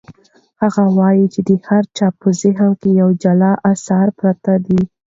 هغه وایي چې د هر چا په ذهن کې یو جلا اثر پروت دی.